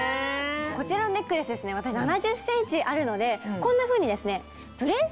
こちらのネックレスですね７０ｃｍあるのでこんなふうにですね。